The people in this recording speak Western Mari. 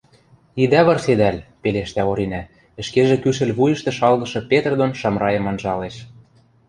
— Идӓ вырседӓл, — пелештӓ Оринӓ, ӹшкежӹ кӱшӹл вуйышты шалгышы Петр дон Шамрайым анжалеш.